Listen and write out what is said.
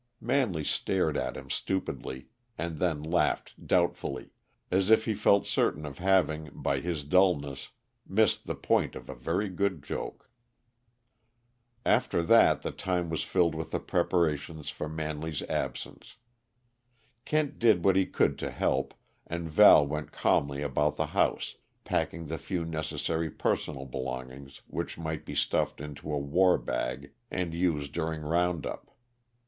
Manley stared at him stupidly, and then laughed doubtfully, as if he felt certain of having, by his dullness, missed the point of a very good joke. After that the time was filled with the preparations for Manley's absence. Kent did what he could to help, and Val went calmly about the house, packing the few necessary personal belongings which might be stuffed into a "war bag" and used during round up.